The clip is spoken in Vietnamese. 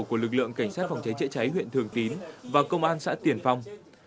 của lực lượng cảnh sát phòng cháy chữa cháy huyện thường tín và công an xã tiền phong